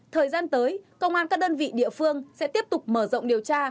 thời gian tới công an các đơn vị địa phương sẽ tiếp tục mở rộng điều tra